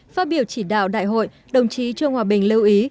phát biểu chỉ đạo đại hội đồng chí trương hòa bình lưu ý